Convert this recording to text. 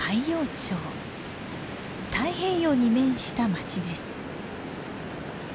太平洋に面した町です。